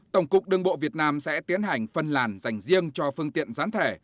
tổng cục đường bộ việt nam sẽ tiến hành phân làn dành riêng cho phương tiện gián thẻ